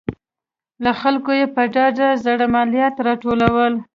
له خلکو یې په ډاډه زړه مالیات راټولول